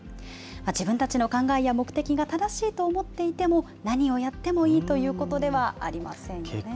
自分たちの考えや目的が正しいと思っていても、何をやってもいいということではありませんよね。